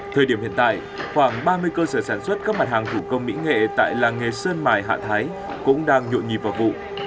thời điểm hiện tại khoảng ba mươi cơ sở sản xuất các mặt hàng thủ công mỹ nghệ tại làng nghề sơn mài hạ thái cũng đang nhộn nhịp vào vụ